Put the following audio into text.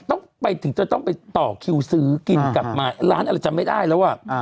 ต้องไปต่อคิวซื้อกินกลับมาร้านอะไรจำไม่ได้แล้วอ่ะ